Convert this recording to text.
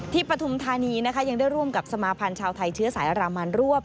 ปฐุมธานีนะคะยังได้ร่วมกับสมาพันธ์ชาวไทยเชื้อสายอรามันรวบ